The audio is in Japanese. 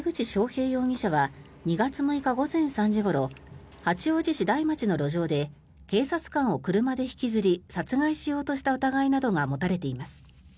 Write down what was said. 平容疑者は２月６日午前３時ごろ八王子市台町の路上で警察官を車で引きずり殺害しようとした疑いなどが持たれています。